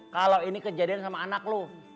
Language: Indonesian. kalo ini kejadian sama anak lo